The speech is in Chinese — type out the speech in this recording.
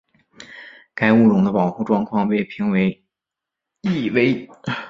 该物种的保护状况被评为易危。